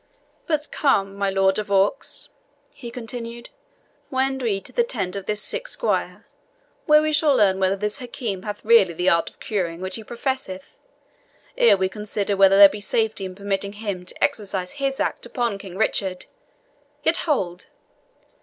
"But come, my Lord de Vaux," he continued, "wend we to the tent of this sick squire, where we shall learn whether this Hakim hath really the art of curing which he professeth, ere we consider whether there be safety in permitting him to exercise his art upon King Richard. Yet, hold!